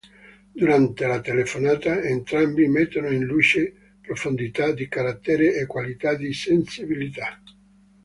Durante la telefonata, entrambi mettono in luce profondità di carattere e qualità di sensibilità.